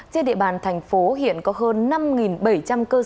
trên địa bàn thành phố hiện có hơn năm bảy trăm linh cơ sở